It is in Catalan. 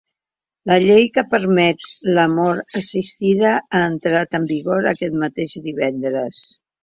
La llei que permet la mort assistida ha entrat en vigor aquest mateix divendres.